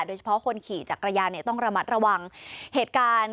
โดยเฉพาะคนขี่จักรยานเนี่ยต้องระมัดระวังเหตุการณ์